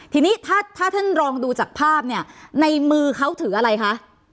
ทีนี้ถ้าท่านลองดูจากภาพเนี่ยในมือเขาถืออะไรคะ